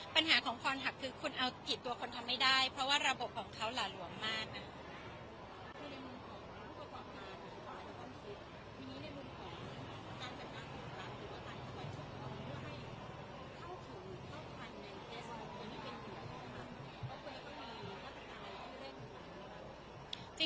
ปัญหาของพรหักคือคุณเอากี่ตัวคนทำไม่ได้เพราะว่าระบบของเขาหล่าหลวมมากนะคะ